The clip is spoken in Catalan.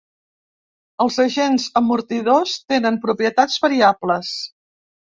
Els agents amortidors tenen propietats variables.